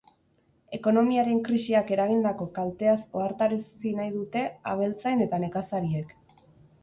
Ekonomiaren krisiak eragindako kalteaz ohartarazi nahi dute abeltzain eta nekazariek.